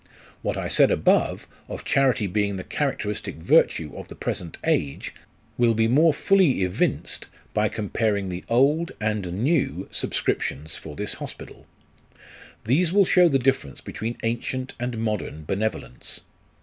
What I said above, of charity being the characteristic virtue of the present age, will be more fully evinced by comparing the old and new subscriptions for this hospital. These will show the difference between ancient and modern benevolence.